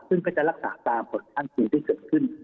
ซึ่งก็จะรักษาตามผลที่เกิดขึ้น